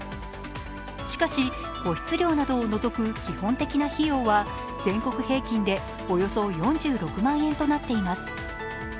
しかし、個室料などを除く基本的な費用は全国平均でおよそ４６万円となっています。